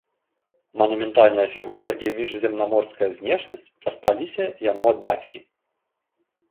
Манументальная фігура і міжземнаморская знешнасць дасталіся яму ад бацькі.